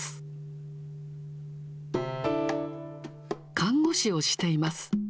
看護師をしています。